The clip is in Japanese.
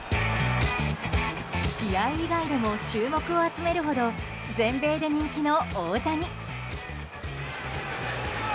試合以外でも注目を集めるほど全米で人気の大谷。